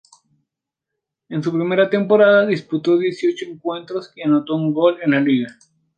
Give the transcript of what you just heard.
En su primera temporada disputó dieciocho encuentros y anotó un gol en la liga.